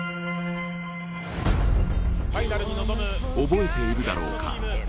覚えているだろうか。